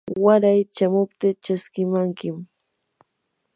waray chamuptii chaskimankim.